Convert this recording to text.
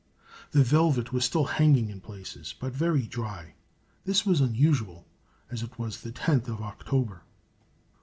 The velvet was still hanging in places, but very dry. This was unusual, as it was the 10th of October.